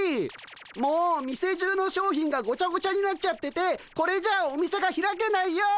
もう店中の商品がごちゃごちゃになっちゃっててこれじゃお店が開けないよ。